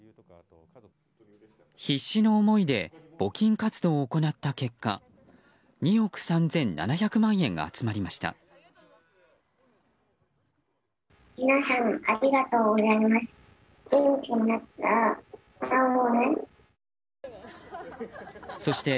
必死の思いで募金活動を行った結果２億３７００万円が集まりました。